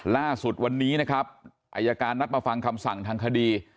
ล่าสุดวันนี้นะครับอายการนัดมาฟังคำสั่งทางคดี